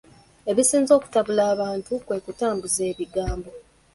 Ebisinze okutabula abantu kwe kutambuza ebigambo.